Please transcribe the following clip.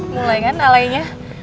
mulai kan nalainya